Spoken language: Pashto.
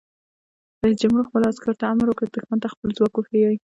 رئیس جمهور خپلو عسکرو ته امر وکړ؛ دښمن ته خپل ځواک وښایئ!